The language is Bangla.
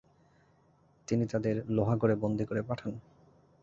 তিনি তাদের লোহাগড়ে বন্দী করে পাঠান।